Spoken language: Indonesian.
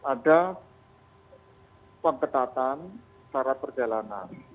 pertama pengetatan syarat perjalanan